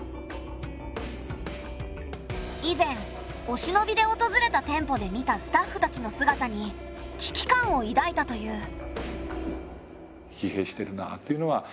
以前おしのびで訪れた店舗で見たスタッフたちの姿に危機感をいだいたという。